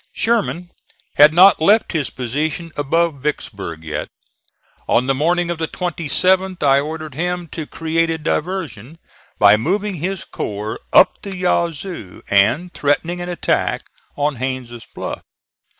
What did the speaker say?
Sherman had not left his position above Vicksburg yet. On the morning of the 27th I ordered him to create a diversion by moving his corps up the Yazoo and threatening an attack on Haines' Bluff.